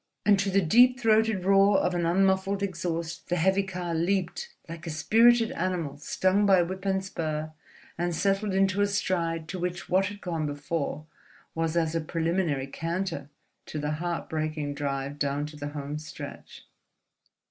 And to the deep throated roar of an unmuffled exhaust, the heavy car leaped, like a spirited animal stung by whip and spur, and settled into a stride to which what had gone before was as a preliminary canter to the heartbreaking drive down to the home stretch.